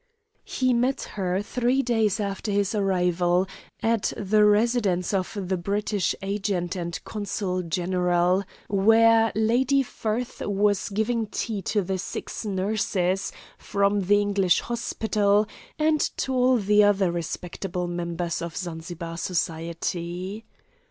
He met her, three days after his arrival, at the residence of the British agent and consul general, where Lady Firth was giving tea to the six nurses from the English hospital and to all the other respectable members of Zanzibar society.